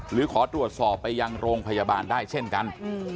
หรือขอตรวจสอบไปยังโรงพยาบาลได้เช่นกัน